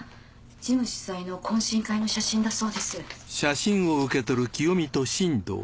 ジム主催の懇親会の写真だそうです。